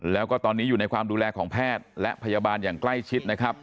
แล้วก็ตอนนี้อยู่ในความดูแลของแพทย์และพยาบาลอย่างใกล้ชิดนะครับ